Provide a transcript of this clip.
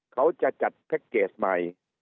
เขาจะจัดแพ็คเกจใหม่